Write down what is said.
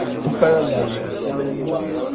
Ti pala nayiɣisi.